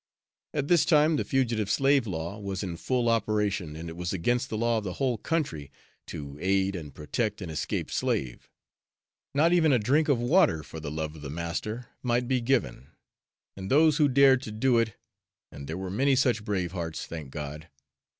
At this time the Fugitive Slave Law was in full operation, and it was against the law of the whole country to aid and protect an escaped slave; not even a drink of water, for the love of the Master, might be given, and those who dared to do it (and there were many such brave hearts, thank God!)